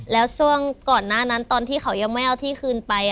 แล้วช่วงก่อนหน้านั้นตอนที่เขายังไม่เอาที่คืนไป